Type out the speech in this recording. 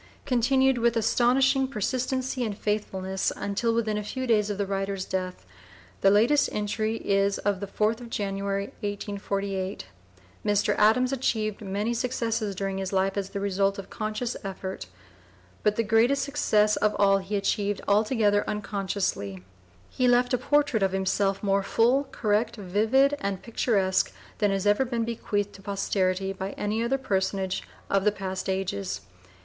Continued with astonishing persistency and faithfulness until within a few days of the writer's death, the latest entry is of the 4th of January, 1848. Mr. Adams achieved many successes during his life as the result of conscious effort, but (p. 007) the greatest success of all he achieved altogether unconsciously. He left a portrait of himself more full, correct, vivid, and picturesque than has ever been bequeathed to posterity by any other personage of the past ages.